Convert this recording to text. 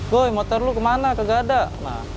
goy motor lu ke mana kegak ada